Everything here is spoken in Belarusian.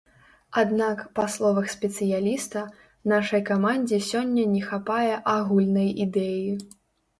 Аднак, па словах спецыяліста, нашай камандзе сёння не хапае агульнай ідэі.